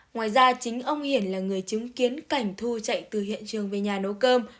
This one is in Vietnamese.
ngoài ra chính ông hiển là người chứng kiến cảnh thu chạy từ hiện trường về nhà nấu cơm